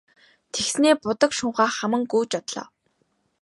Тэгснээ будаг шунхаа хаман гүйж одлоо.